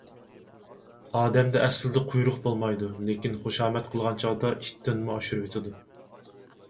ئادەمدە ئەسلىدە قۇيرۇق بولمايدۇ، لېكىن خۇشامەت قىلغان چاغدا ئىتتىنمۇ ئاشۇرۇۋېتىدۇ.